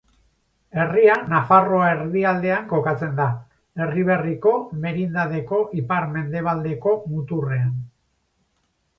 Herria, Nafarroa erdialdean kokatzen da, Erriberriko merindadeko ipar-mendebaldeko muturrean.